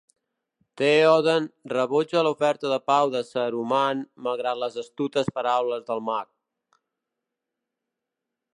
Théoden rebutja l'oferta de pau de Saruman malgrat les astutes paraules del mag.